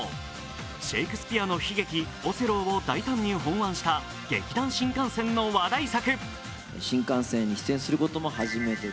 シェイクスピアの悲劇「オセロー」を大胆に翻案した劇団☆新感線の話題作。